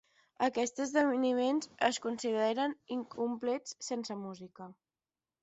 Aquests esdeveniments es consideren incomplets sense música.